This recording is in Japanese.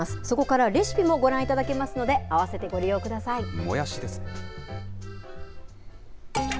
そこからレシピもご覧いただけますので、合わせてご利用ください。